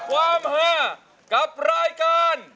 ร้องได้ให้ล้าน